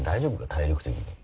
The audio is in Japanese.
体力的に。